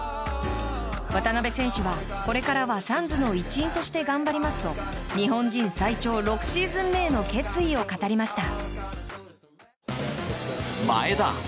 渡邊選手は、これからはサンズの一員として頑張りますと日本人最長６シーズン目への決意を語りました。